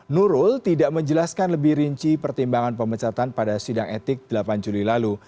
nurul tidak menjelaskan lebih rinci pertimbangan pemecatan pada sidang etik delapan juli lalu